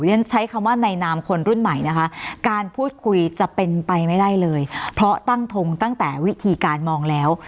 ฉันใช้คำว่าในนามคนรุ่นใหม่นะคะการพูดคุยจะเป็นไปไม่ได้เลยเพราะตั้งทงตั้งแต่วิธีการมองแล้ว